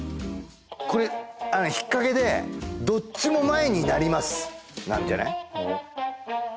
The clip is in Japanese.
これあの引っ掛けでどっちも前になりますなんじゃない？